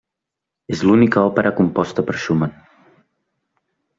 És l'única òpera composta per Schumann.